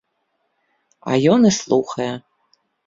А ён і слухае.